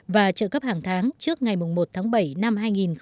và trợ cấp hàng tháng trước ngày một tháng bảy năm hai nghìn một mươi bảy